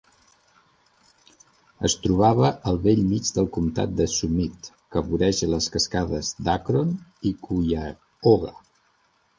Es trobava al bell mig del comtat de Summit, que voreja les cascades d"Akron i Cuyahoga.